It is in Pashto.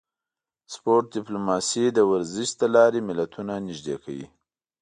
سپورت ډیپلوماسي د ورزش له لارې ملتونه نږدې کوي